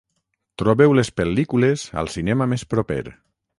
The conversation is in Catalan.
Trobeu les pel·lícules al cinema més proper.